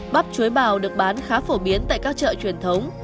bắp chuối bào được bán khá phổ biến tại các chợ truyền thống